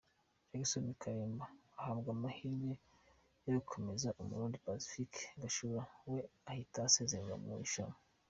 Jackson Kalimba ahabwa amahirwe yo gukomeza, umurundi Pacifique Gachuri we ahita asezererwa mu irushanwa.